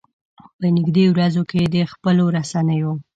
په نږدې ورځو کې یې د خپلو رسنيو.